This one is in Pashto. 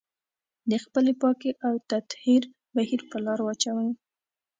د خپلې پاکي او تطهير بهير په لار واچوي.